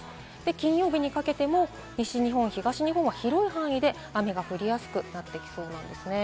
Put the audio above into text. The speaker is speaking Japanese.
金曜日にかけても西日本、東日本は広い範囲で雨が降りやすくなってきそうなんですね。